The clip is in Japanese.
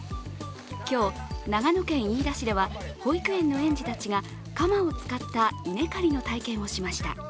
今日、長野県飯田市では保育園の園児たちが鎌を使った稲刈りの体験をしました。